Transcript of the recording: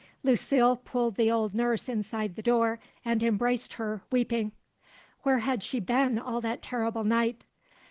Lucile pulled the old nurse inside the door and embraced her, weeping. Where had she been all that terrible night?